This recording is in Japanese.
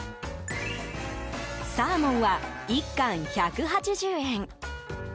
サーモンは１貫１８０円。